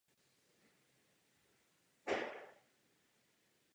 Nesnáší suché a písčité půdy.